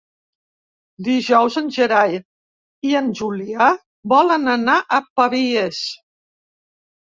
Dijous en Gerai i en Julià volen anar a Pavies.